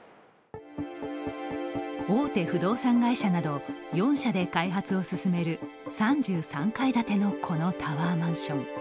大手不動産会社など４社で開発を進める３３階建てのこのタワーマンション。